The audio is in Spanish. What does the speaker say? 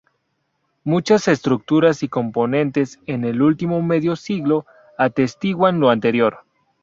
Muchas estructuras y componentes en el último medio siglo atestiguan lo anterior.